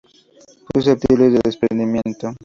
Susceptibles al desprendimiento.